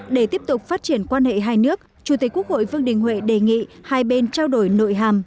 để tiếp tục phát triển quan hệ hai nước chủ tịch quốc hội vương đình huệ đề nghị hai bên trao đổi nội hàm